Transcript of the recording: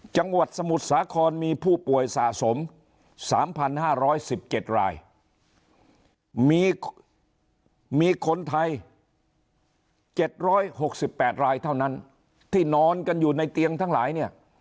จังหวัดสมุทรสาครมีผู้ป่วยสะสม๓๕๑๗รายมีคนไทย๗๖๘รายเท่านั้นที่นอนกันอยู่ในเตียงทั้งหลายเนี่ย